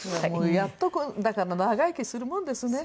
やっとだから長生きするものですね。